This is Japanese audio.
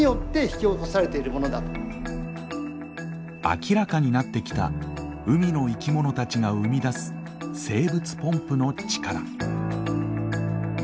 明らかになってきた海の生き物たちが生み出す生物ポンプの力。